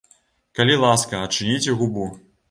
Калі ласка, адчыніце губу.